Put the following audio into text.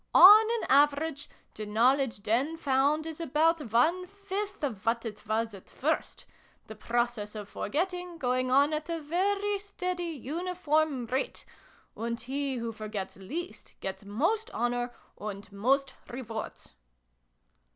" On an average, the know ledge then found is about one fifth of what it was at first the process of forgetting going on at a very steady uniform rate and he, who forgets least, gets most honour, and most rewards."